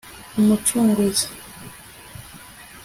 umucunguzi